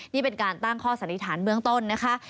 นี่เป็นการตั้งข้อสันนิษฐานเบื้องต้นนะคะ